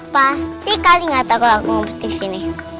pasti kali gak tau kalau aku mau di sini